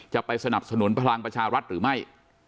จะไปสนับสนุนพลังประชารัฐหรือไม่